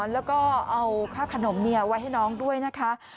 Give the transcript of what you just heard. แล้วก็เอาค่าขนมไว้ให้น้องด้วยนะคะ